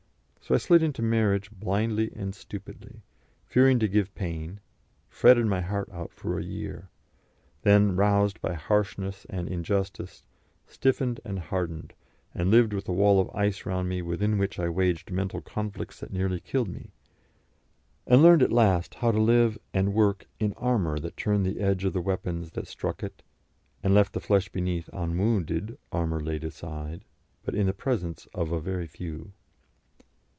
So I slid into marriage blindly and stupidly, fearing to give pain; fretted my heart out for a year; then, roused by harshness and injustice, stiffened and hardened, and lived with a wall of ice round me within which I waged mental conflicts that nearly killed me; and learned at last how to live and work in armour that turned the edge of the weapons that struck it, and left the flesh beneath unwounded, armour laid aside, but in the presence of a very few.